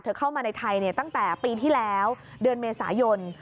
เข้ามาในไทยตั้งแต่ปีที่แล้วเดือนเมษายน